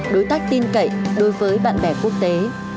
đối tác tin cậy đối với bạn bè quốc tế